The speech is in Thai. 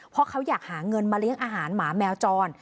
เพราะเขาอยากหาเงินมาเลี้ยงอาหารหมาแมวจร